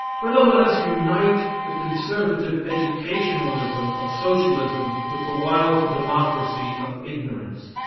rather let us unite the conservative educationalism of Socialism with the wild democracy of ignorance.